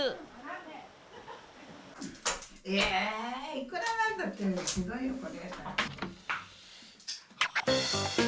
いくら何だってひどいよこれは。